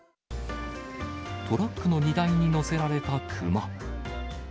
トラックの荷台に乗せられたクマ。